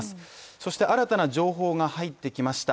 そして、新たな情報が入ってきました。